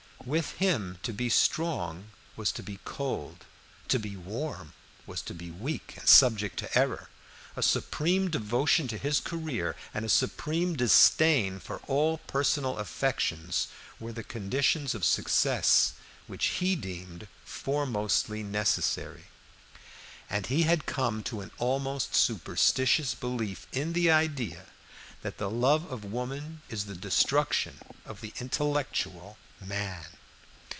With him to be strong was to be cold to be warm was to be weak and subject to error; a supreme devotion to his career and a supreme disdain of all personal affections were the conditions of success which he deemed foremostly necessary, and he had come to an almost superstitious belief in the idea that the love of woman is the destruction of the intellectual man.